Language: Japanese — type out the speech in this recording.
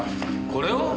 これを？